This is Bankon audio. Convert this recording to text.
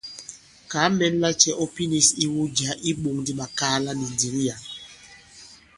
Kàa mɛn lacɛ̄ ɔ pinīs iwu jǎ i iɓōŋ di ɓakaala nì ndǐŋ yǎ.